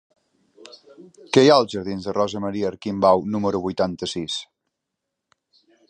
Què hi ha als jardins de Rosa Maria Arquimbau número vuitanta-sis?